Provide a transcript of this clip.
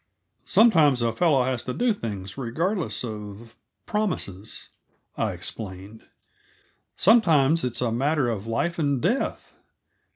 "Sometimes a fellow has to do things regardless of promises," I explained. "Sometimes it's a matter of life and death.